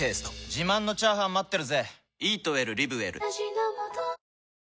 自慢のチャーハン待ってるぜ！